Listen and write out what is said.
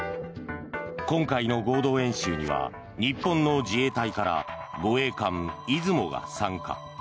今回の合同演習には日本の自衛隊から護衛艦「いずも」が参加。